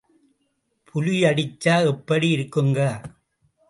புலி அடிச்சா எப்படி இருக்குங்க!